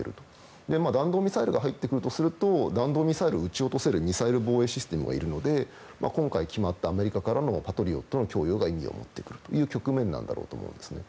弾道ミサイルが入ってくるとすると弾道ミサイルを撃ち落とせるミサイル防衛システムがいるので今回、決まったアメリカからのパトリオットの供給が意味を持ってくるという局面なんだろうと思うんです。